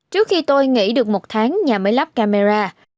trước khi tôi nghỉ được một tháng nhà mới lắp camera